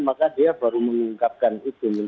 maka dia baru mengungkapkan itu